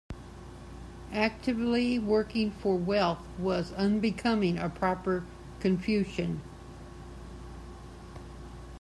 Actively working for wealth was unbecoming a proper Confucian.